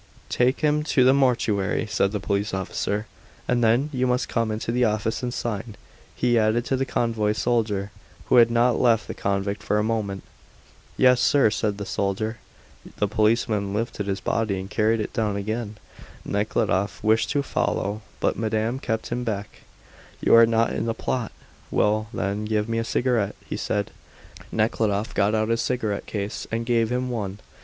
"Take him to the mortuary," said the police officer. "And then you must come into the office and sign," he added to the convoy soldier, who had not left the convict for a moment. "Yes, sir," said the soldier. The policemen lifted the body and carried it down again. Nekhludoff wished to follow, but the madman kept him back. "You are not in the plot! Well, then, give me a cigarette," he said. Nekhludoff got out his cigarette case and gave him one.